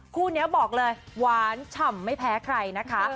คู่นี้บอกเลยหวานฉ่ำไม่แพ้ใครนะคะ